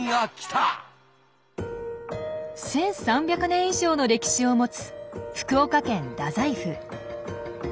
１，３００年以上の歴史を持つ福岡県大宰府。